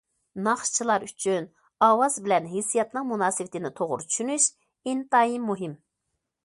ناخشىچىلار ئۈچۈن ئاۋاز بىلەن ھېسسىياتنىڭ مۇناسىۋىتىنى توغرا چۈشىنىش ئىنتايىن مۇھىم.